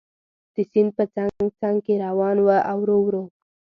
د سیند په څنګ څنګ کې روان و او ورو ورو.